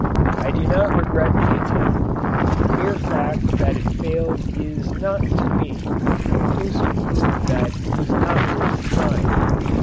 I do not regret the attempt. The mere fact that it failed is not, to me, conclusive proof that it was not worth trying.